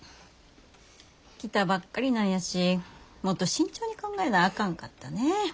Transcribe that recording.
来たばっかりなんやしもっと慎重に考えなあかんかったね。